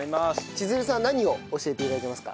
ちづるさん何を教えて頂けますか？